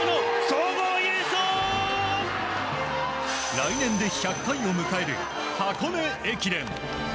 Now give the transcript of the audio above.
来年で１００回を迎える箱根駅伝。